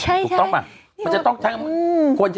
นี่ทำไมให้มันนางคุยกันนะ